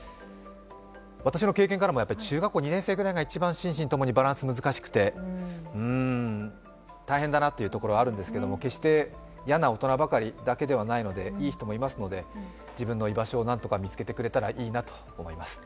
私の経験からも中学校２年生ぐらいが一番心身共にバランス難しくて、うーん大変だなというところあるんですけれども決して嫌な大人ばかりではないのでいい人もいますので、自分の居場所を何とか見つけてくれたらいいなと思います。